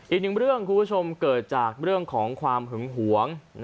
อีกหนึ่งเรื่องคุณผู้ชมเกิดจากเรื่องของความหึงหวง